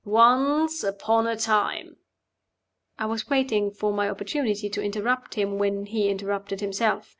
Once upon a time " I was waiting for my opportunity to interrupt him when he interrupted himself.